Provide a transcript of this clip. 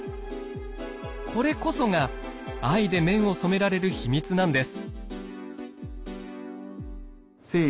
これこそが藍で綿を染められる秘密なんです。